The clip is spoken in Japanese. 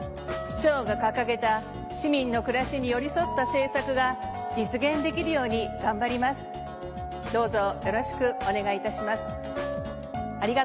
市長が掲げた市民の暮らしに寄り添った政策が実現できるように頑張ります。